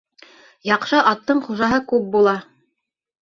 Яҡшы аттың хужаһы күп була.